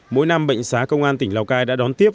mỗi năm bệnh xá công an tỉnh lào cai đã đón tiếp